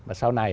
và sau này